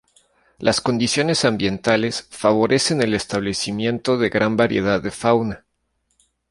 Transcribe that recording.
Las condiciones ambientales favorecen el establecimiento de gran variedad de fauna.